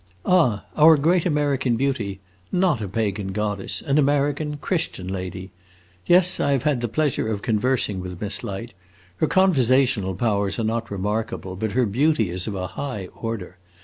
"Ah, our great American beauty! Not a pagan goddess an American, Christian lady! Yes, I have had the pleasure of conversing with Miss Light. Her conversational powers are not remarkable, but her beauty is of a high order.